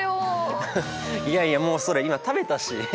いやいやもうそれ今食べたし！